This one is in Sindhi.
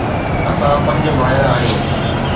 اسان پنج ڀائر آهيون.